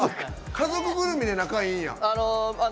家族ぐるみで仲ええんや。